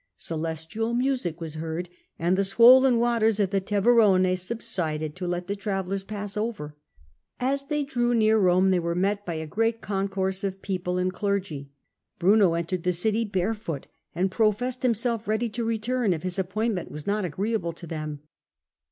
Celestial music was heard, and the swollen waters of the Teverone subsided to let the travellers pass over. As they drew near Rome they were met by a great concourse of people and clergy ; Bruno entered the city barefoot, and professed himself ready to return if his appointment was not agreeable to them.